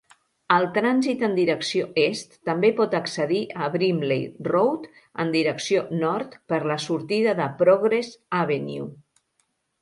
El trànsit en direcció est també pot accedir a Brimley Road en direcció nord per la sortida de Progress Avenue.